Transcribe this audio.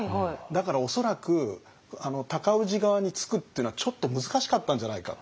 だから恐らく尊氏側につくっていうのはちょっと難しかったんじゃないか。